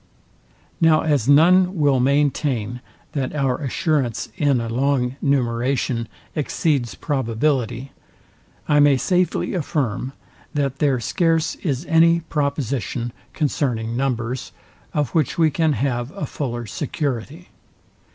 Now as none will maintain, that our assurance in a long numeration exceeds probability, I may safely affirm, that there scarce is any proposition concerning numbers, of which we can have a fuller security.